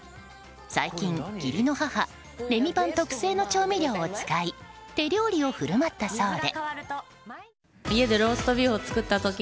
最近、義理の母レミパン特製の調味料を使い手料理を振る舞ったそうで。